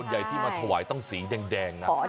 ใหญ่ที่มาถวายต้องสีแดงนะ